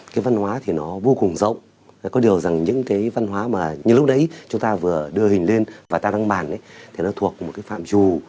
cái văn hóa thì nó vô cùng rộng có điều rằng những cái văn hóa mà như lúc đấy chúng ta vừa đưa hình lên và ta đăng bản thì nó thuộc một cái phạm trù